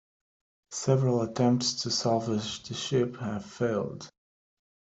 Several attempts to salvage the ship have failed.